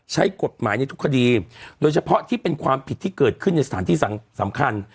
ใช้กฎหมายในทุกคดีโดยเฉพาะที่เป็นความผิดที่เกิดขึ้นในสถานที่สำคัญ